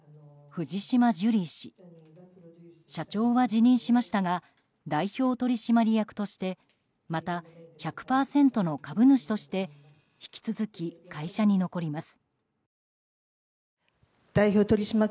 藤島ジュリー氏社長は辞任しましたが代表取締役としてまた、１００％の株主として引き続き会社に残ります。